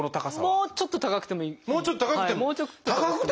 もうちょっと高くてもいいですね。